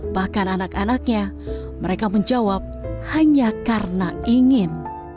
bahkan anak anaknya mereka menjawab hanya karena ingin